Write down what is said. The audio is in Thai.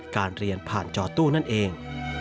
การเรียนผ่านจอตู้นั่นเอง